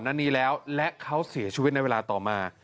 หน้านี้แล้วและเขาเสียชีวิตในเวลาต่อมา